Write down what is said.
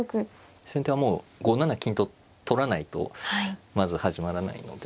先手はもう５七金と取らないとまず始まらないので。